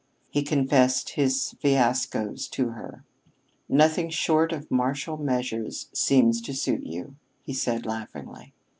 He confessed his fiascoes to her. "Nothing short of martial measures seems to suit you," he said laughingly.